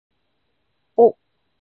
お